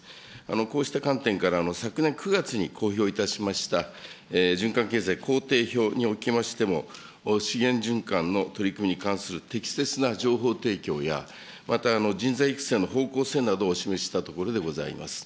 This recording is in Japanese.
こうした観点から、昨年９月に公表いたしました、循環経済工程表におきましても、資源循環の取り組みに関する適切な情報提供や、また人材育成の方向性などを示したところでございます。